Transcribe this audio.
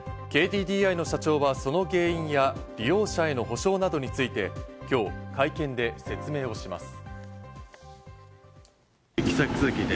ＫＤＤＩの社長はその原因や利用者への補償などについて今日、会見で説明をします。